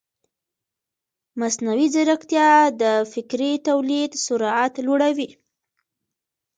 مصنوعي ځیرکتیا د فکري تولید سرعت لوړوي.